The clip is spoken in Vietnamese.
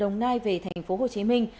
đồng nai về thành phố hồ chí minh